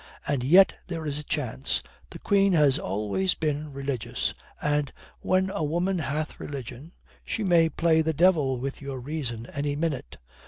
And yet there is a chance. The Queen has always been religious, and when a woman hath religion she may play the devil with your reason any minute.